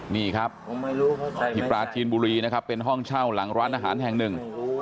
นี่ครับที่ปราจีนบุรีนะครับเป็นห้องเช่าหลังร้านอาหารแห่งหนึ่ง